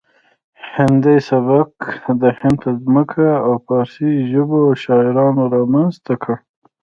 هندي سبک د هند په ځمکه د فارسي ژبو شاعرانو رامنځته کړ